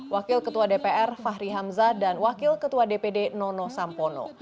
wakil ketua dpr fahri hamzah dan wakil ketua dpd nono sampono